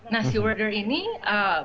nah si werder ini bunuh diri